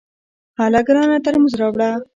هله ګرانه ترموز راوړه !